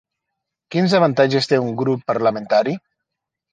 Quins avantatges té un grup parlamentari?